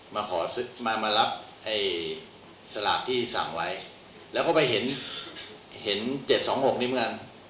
มารับสลากที่สั่งไว้แล้วก็ไปเห็น๗๒๖นี้เหมือนกัน